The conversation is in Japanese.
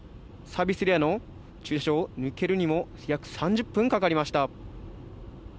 サービスエリアの駐車を抜けるにも約３０分かかりました。